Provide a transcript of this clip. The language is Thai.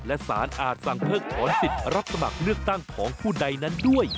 และสารอาจสั่งเพิกถอนสิทธิ์รับสมัครเลือกตั้งของผู้ใดนั้นด้วย